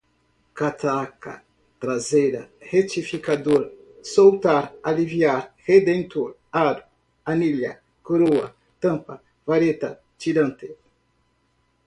catraca, traseira, retificador, soltar, aliviar, retentor, aro, anilha, coroa, tampa, vareta, tirante